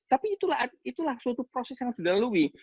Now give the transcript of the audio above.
tapi itulah suatu proses yang terdalami